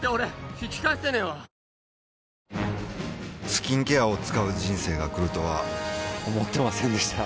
スキンケアを使う人生が来るとは思ってませんでした